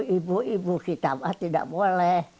ibu ibu khitamah tidak boleh